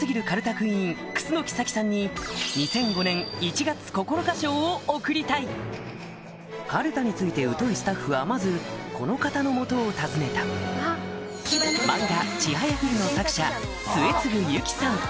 クイーン楠木早紀さんにを贈りたいかるたについて疎いスタッフはまずこの方の元を訪ねた漫画『ちはやふる』の作者末次由紀さん